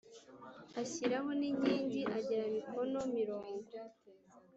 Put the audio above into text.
Ashyiraho n inkingi agera mikono mirongo